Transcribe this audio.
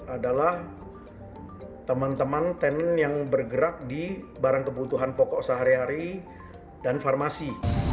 adalah teman teman tenen yang bergerak di barang kebutuhan pokok sehari hari dan farmasi